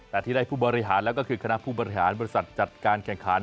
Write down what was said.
แต่ที่ได้ผู้บริหารแล้วก็คือคณะผู้บริหารบริษัทจัดการแข่งขัน